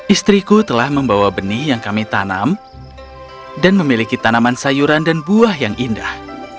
istriku telah membawa benih yang kami tanam dan memiliki tanaman sayuran dan buah yang indah